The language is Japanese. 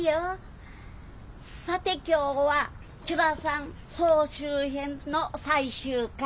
さて今日は「ちゅらさん総集編」の最終回。